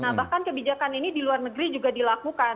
nah bahkan kebijakan ini diluar negeri juga dilakukan